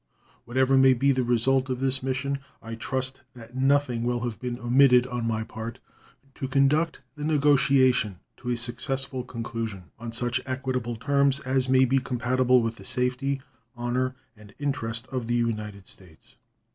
Whatever may be the result of this mission, I trust that nothing will have been omitted on my part to conduct the negotiation to a successful conclusion, on such equitable terms as may be compatible with the safety, honor and interest of the United States.